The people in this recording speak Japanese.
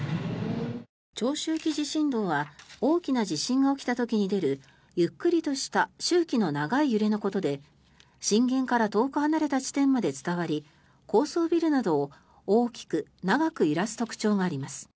長周期地震動は大きな地震が起きた時に出るゆっくりとした周期の長い揺れのことで震源から遠く離れた地点まで伝わり高層ビルなどを大きく長く揺らす特徴があります。